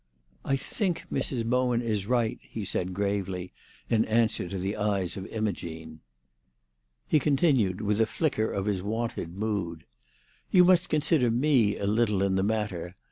"I think Mrs. Bowen is right," he said gravely, in answer to the eyes of Imogene. He continued, with a flicker of his wonted mood: "You must consider me a little in the matter.